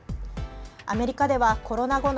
アメリカではコロナ後の